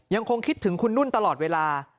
ยังคงคิดถึงคุณนุ่นตลอดเวลา